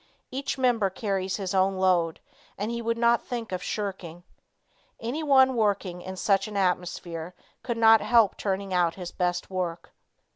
Each member carries his own load, and he would not think of shirking. Anyone working in such an atmosphere could not help turning out his best work.